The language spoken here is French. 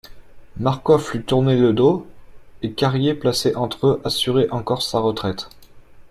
Marcof lui tournait le dos, et Carrier placé entre eux assurait encore sa retraite.